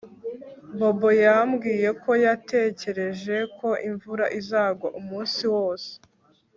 Bobo yambwiye ko yatekereje ko imvura izagwa umunsi wose